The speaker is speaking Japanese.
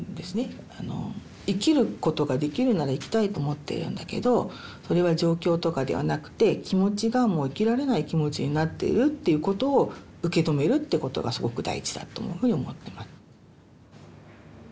生きることができるなら生きたいと思ってるんだけどそれは状況とかではなくて気持ちがもう生きられない気持ちになっているっていうことを受け止めるってことがすごく大事だというふうに思ってます。